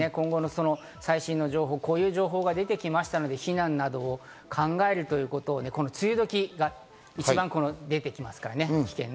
最新の情報、こういうものが出てきましたので、避難などを考えるということを、梅雨どき、一番出てきますからね。